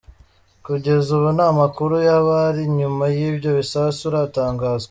Kugeza ubu nta makuru y’abari inyuma y’ibyo bisasu aratangazwa.